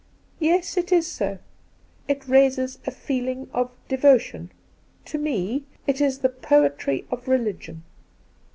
' Yes, it is so. It raises a feeling of devotion. To me, it is the poetry of religion.'